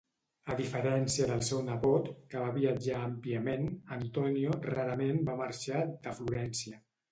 A diferència del seu nebot, que va viatjar àmpliament, Antonio rarament va marxar de Florència.